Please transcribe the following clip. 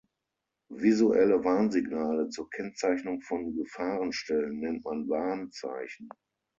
Visuelle Warnsignale zur Kennzeichnung von Gefahrenstellen nennt man Warnzeichen.